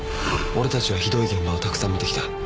俺たちはひどい現場をたくさん見てきた。